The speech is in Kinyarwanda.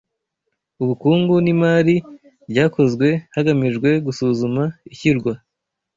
ubukungu n’imari ryakozwe hagamijwe gusuzuma ishyirwa